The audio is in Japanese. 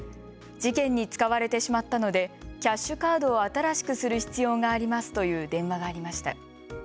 事件に使われてしまったので、キャッシュカードを新しくする必要がありますという電話がありました。